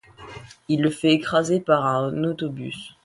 Il le fait écraser par un autobus.